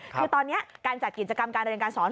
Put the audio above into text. คือตอนนี้การจัดกิจกรรมการเรียนการสอน